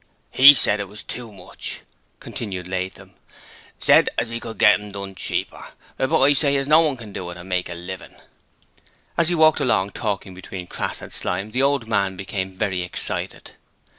HE said it was too much,' continued Latham. 'Said as 'e could get 'em done cheaper! But I say as no one can't do it and make a living.' As he walked along, talking, between Crass and Slyme, the old man became very excited.